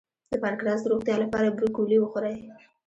د پانکراس د روغتیا لپاره بروکولي وخورئ